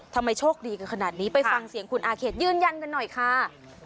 ทำไมโชคดีกันขนาดนี้ไปฟังเสียงคุณอาเขตยืนยันกันหน่อยค่ะ